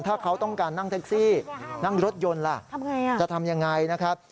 ถ้าเขาต้องการนั่งแท็กซี่นั่งรถยนต์ล่ะจะทำยังไงนะครับ